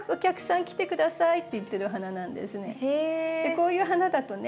こういう花だとね